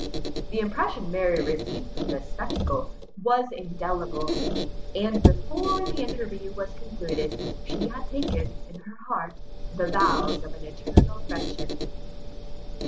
The impression Mary received from this spectacle was indelible; and, before the interview was concluded, she had taken, in her heart, the vows of an eternal friendship.